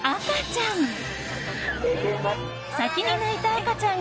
赤ちゃん？